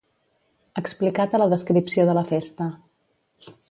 Explicat a la descripció de la festa.